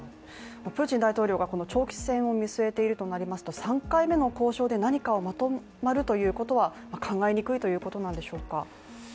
プーチン大統領が長期戦を見据えているとなりますと、３回目の交渉で何かまとまるということは考えにくいということなんでしょうか。